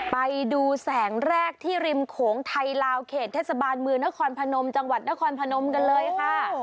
ไปดูแสงแรกที่ริมโขงไทยลาวเขตเทศบาลเมืองนครพนมจังหวัดนครพนมกันเลยค่ะ